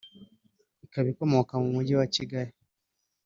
ikaba ikomoka mu mujyi wa Kigali